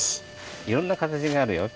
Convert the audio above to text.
いろんなかたちがあるよ。